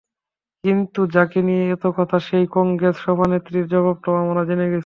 কিন্তু যাকে নিয়ে এত কথা সেই কংগ্রেস সভানেত্রীর জবাবটাও আমরা জেনে গেছি।